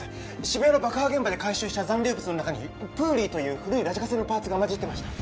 渋谷の爆破現場で回収した残留物の中にプーリーという古いラジカセのパーツがまじってました